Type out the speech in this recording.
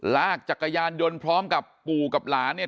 จักรยานยนต์พร้อมกับปู่กับหลานเนี่ย